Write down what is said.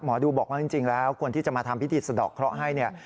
หมอดูบอกว่าจริงแล้วคนที่จะมาทำพิธีสะดอกเคราะห์ให้เนี่ย